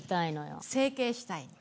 整形したい。